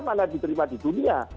mana diterima di dunia